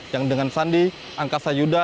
yang dengan sandi angkasa yuda